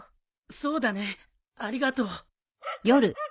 そうだねありがとう。